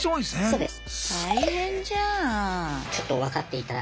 そうです。